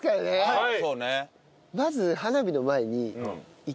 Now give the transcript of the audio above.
はい。